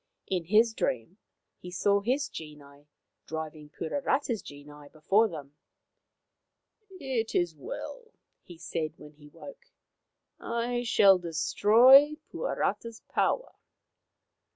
In his dream he saw his genii driving Puarata's genii before them. " It is well," he said when he awoke. " I shall destroy Puarata's power."